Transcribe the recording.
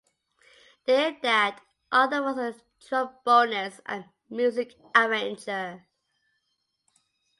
Their dad, Arthur, was a trombonist and music arranger.